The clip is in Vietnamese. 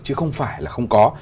chứ không phải là không có